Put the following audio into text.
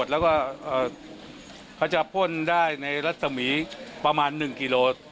แล้วก็เขาจะพ่นได้ในรัศมีประมาณ๑กิโล